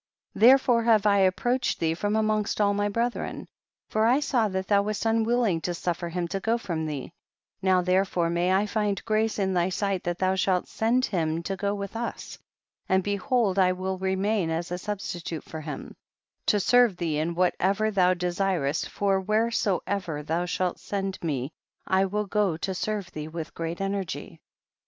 58. Therefore have I approached thee from amongst all my brethren, for I saw that thou wast unwilling to suffer him to go from thee ; now therefore may I find grace in thy sight that thou shalt send him to go with us, and behold I will remain as a substitute for him, to serve thee in whatever thou desirest, for whereso ever thou shalt send m.e I will go to serve thee with great energy.